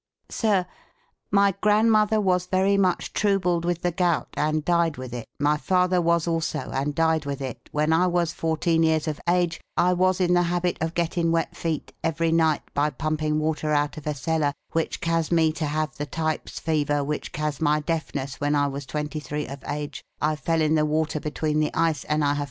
"Sir, " My Granmother wos very much trubeld With the Gout and dide with it my father wos also and dide with it when i wos 14 years of age i wos in the habbet of Gettin whet feet Every Night by pumping water out of a Celler Wicn Cas me to have the tipes fever wich Cas my Defness when i was 23 of age i fell in the Water betwen the ice and i have.